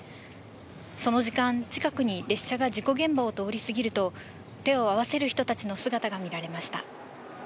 その時間、近くに列車が事故現場を通り過ぎると、手を合わせる人たちの姿が見られました。